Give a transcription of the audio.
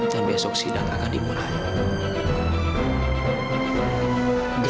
dan besok sidang akan dimulai